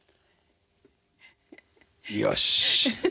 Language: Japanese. よし。